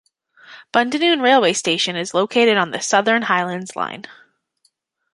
Bundanoon railway station is located on the Southern Highlands line.